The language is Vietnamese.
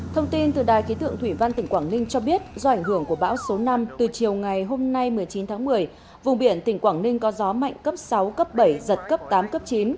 thông tin từ đài ký tượng thủy văn tỉnh quảng ninh cho biết do ảnh hưởng của bão số năm từ chiều ngày hôm nay một mươi chín tháng một mươi vùng biển tỉnh quảng ninh có gió mạnh cấp sáu cấp bảy giật cấp tám cấp chín